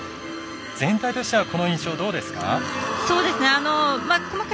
全体としてはこの印象どうですか？